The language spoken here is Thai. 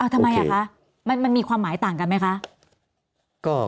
ทำไมคะมันมีความหมายต่างกันไหมคะ